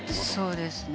そうですね。